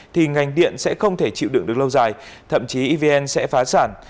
thì ngành điện sẽ không thể chịu đựng được lâu dài thậm chí evn sẽ phá sản